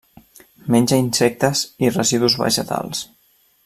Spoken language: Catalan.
Menja insectes i residus vegetals.